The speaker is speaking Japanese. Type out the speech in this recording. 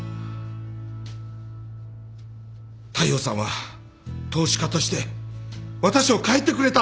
大陽さんは投資家として私を変えてくれた。